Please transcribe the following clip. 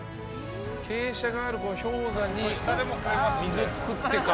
傾斜があるこの氷山に溝を作ってか。